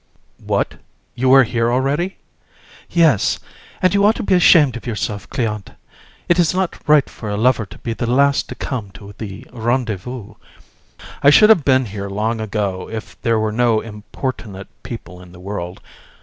VISC. What! you are here already? JU. Yes, and you ought to be ashamed of yourself, Cléante; it is not right for a lover to be the last to come to the rendezvous. VISC. I should have been here long ago if there were no importunate people in the world.